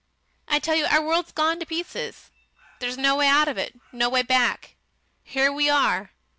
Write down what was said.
I tell you our world's gone to pieces. There's no way out of it, no way back. Here we are!